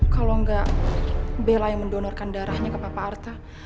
kalo enggak bella yang mendonorkan darahnya ke papa arta